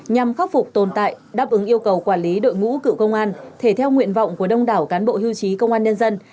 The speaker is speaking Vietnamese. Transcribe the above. nhằm khắc phục tồn tại đáp ứng yêu cầu quản lý đội ngũ cựu công an thể theo nguyện vọng của đông đảo cán bộ hưu trí công an nhân dân